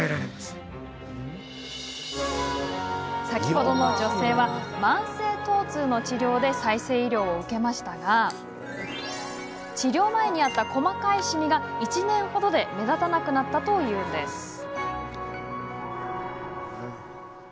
先ほどの女性は慢性とう痛の治療で再生医療を受けましたが治療前にあった細かいシミが１年ほどで目立たなくなったというんです。